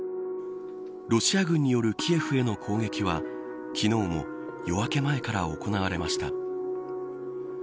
ロシア軍によるキエフへの攻撃は昨日も夜明け前から行われました。